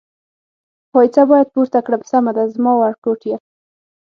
پایڅه باید پورته کړم، سمه ده زما ورکوټیه.